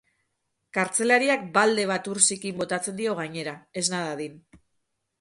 Kartzelariak balde bat ur zikin botatzen dio gainera, esna dadin.